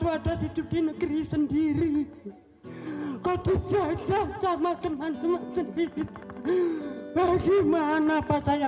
wadah hidup di negeri sendiri kau dijajah sama teman teman sendiri bagaimana pak saya